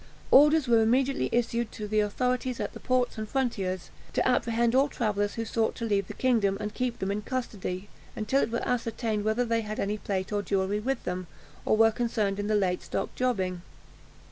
Orders were immediately issued to the authorities at the ports and frontiers, to apprehend all travellers who sought to leave the kingdom, and keep them in custody, until it was ascertained whether they had any plate or jewellery with them, or were concerned in the late stock jobbing.